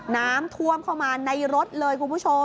น้ำท่วมเข้ามาในรถเลยคุณผู้ชม